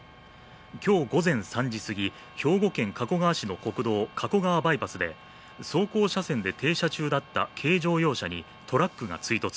今日午前３時過ぎ、兵庫県加古川市の国道、加古川バイパスで走行車線で停車中だった軽乗用車にトラックが追突。